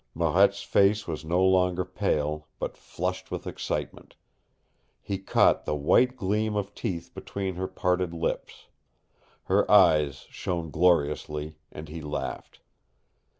Marette's face was no longer pale, but flushed with excitement. He caught the white gleam of teeth between her parted lips. Her eyes shone gloriously, and he laughed.